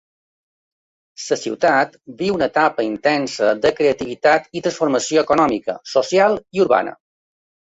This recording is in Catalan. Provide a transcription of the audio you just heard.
La ciutat viu una etapa intensa de creativitat i transformació econòmica, social i urbana.